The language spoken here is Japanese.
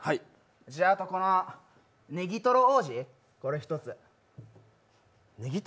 じゃああと、このネギトロ王子これ一つ。